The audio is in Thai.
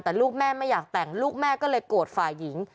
แต่ลูกแม่ไม่อยากแต่งลูกแม่ก็เลยโกรธฝ่ายหญิง